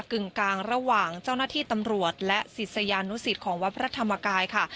กึ่งกลางระหว่างเจ้าหน้าที่ตำรวจและศิษยานุสิตของวัดพระธรรมกายค่ะ